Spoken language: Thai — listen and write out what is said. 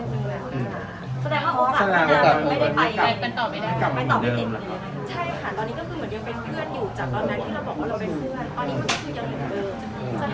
อย่างไรไม่ได้คุยเครียม